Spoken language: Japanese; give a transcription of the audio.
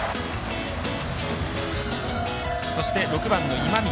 そして、６番の今宮。